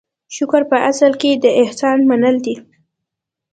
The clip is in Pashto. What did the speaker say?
شکر په اصل کې د احسان منل دي.